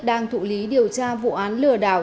đang thụ lý điều tra vụ án lừa đảo